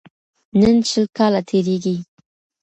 نن شل کاله تیریږي